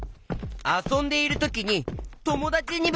あそんでいるときにともだちにぶつかっちゃった！